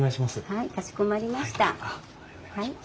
はい。